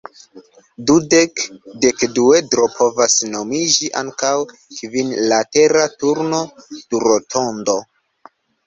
Dudek-dekduedro povas nomiĝi ankaŭ kvinlatera turno-durotondo.